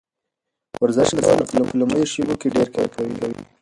ورزش کول د سهار په لومړیو شېبو کې ډېر کیف ورکوي.